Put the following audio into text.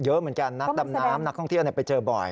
เยอะเหมือนกันนักดำน้ำนักท่องเที่ยวไปเจอบ่อย